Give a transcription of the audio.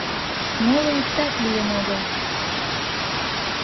— Моло иктат лийын огыл.